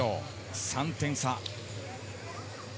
３点差。